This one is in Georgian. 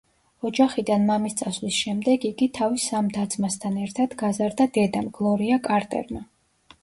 ოჯახიდან მამის წასვლის შემდეგ იგი, თავის სამ და-ძმასთან ერთად, გაზარდა დედამ, გლორია კარტერმა.